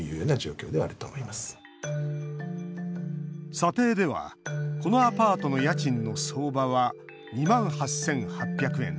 査定では、このアパートの家賃の相場は２万８８００円。